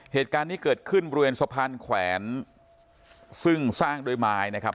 เหตุการณ์นี้เกิดขึ้นบริเวณสะพานแขวนซึ่งสร้างด้วยไม้นะครับ